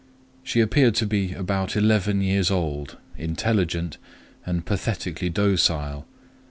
She appeared to be about eleven years old, intelligent, and pathetically docile.